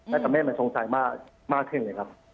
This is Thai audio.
น่าจะไม่มีสงสัยมากขึ้นเลยครับ